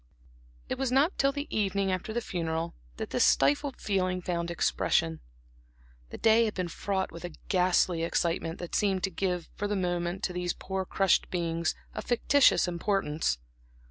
It was not till the evening after the funeral that this stifled feeling found expression. The day had been fraught with a ghastly excitement that seemed to give for the moment to these poor crushed beings a fictitious importance.